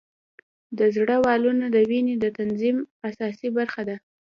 د زړه والونه د وینې د تنظیم اساسي برخه ده.